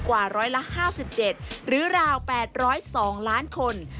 กว่าร้อยละ๕๗หรือราว๘๐๒ล้านคน